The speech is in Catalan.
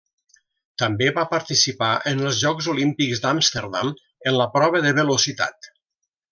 També va participar en els Jocs Olímpics d'Amsterdam en la prova de Velocitat.